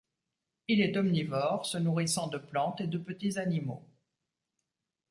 Il est omnivore, se nourrissant de plantes et de petits animaux.